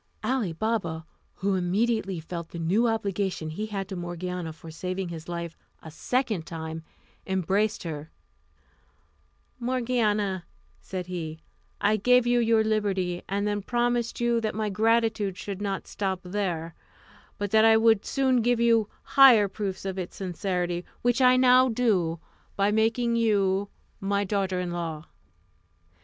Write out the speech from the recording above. Ali Baba, who immediately felt the new obligation he had to Morgiana for saving his life a second time, embraced her: "Morgiana," said he, "I gave you your liberty, and then promised you that my gratitude should not stop there, but that I would soon give you higher proofs of its sincerity, which I now do by making you my daughter in law."